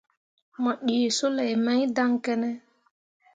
Mo ɗǝǝ soulei mai dan kǝne.